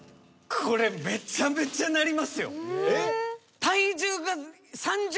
これめちゃめちゃ鳴りますよ。